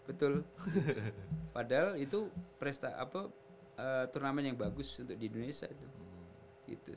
betul padahal itu turnamen yang bagus untuk di indonesia itu